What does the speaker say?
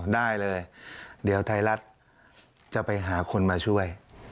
ได้เลยเดี๋ยวไทยรัฐจะไปหาคนมาช่วย